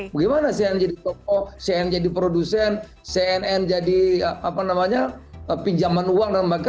bagaimana cnn jadi toko cnn jadi produsen cnn jadi apa namanya pinjaman uang dan sebagainya